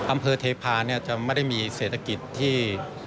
อำเภอเทพาจะไม่ได้มีเศรษฐกิจที่